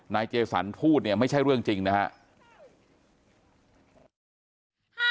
เจสันพูดเนี่ยไม่ใช่เรื่องจริงนะครับ